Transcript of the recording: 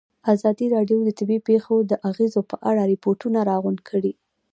ازادي راډیو د طبیعي پېښې د اغېزو په اړه ریپوټونه راغونډ کړي.